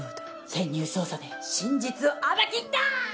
潜入捜査で真実を暴き出す！